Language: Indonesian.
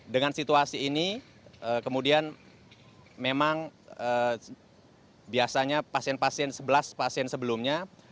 dengan situasi ini kemudian memang biasanya pasien pasien sebelas pasien sebelumnya